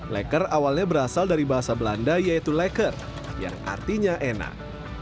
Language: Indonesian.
leker awalnya berasal dari bahasa belanda yaitu leker yang artinya enak